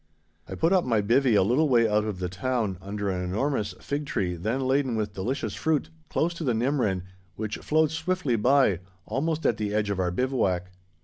I put up my "bivvy" a little way out of the town, under an enormous fig tree then laden with delicious fruit, close to the Nimrin, which flowed swiftly by, almost at the edge of our bivouac.